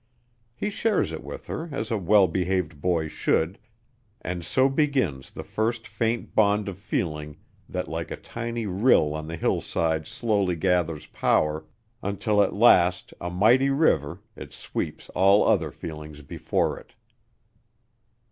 He shares it with her as a well behaved boy should, and so begins the first faint bond of feeling that like a tiny rill on the hillside slowly gathers power, until at last, a mighty river, it sweeps all other feelings before it.